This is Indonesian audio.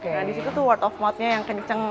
nah di situ tuh word of mouthnya yang kenceng